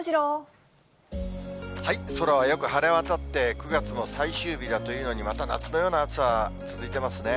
空はよく晴れ渡って、９月の最終日だというのにまた夏のような暑さ続いてますね。